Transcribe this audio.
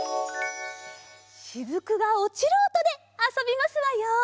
しずくがおちるおとであそびますわよ。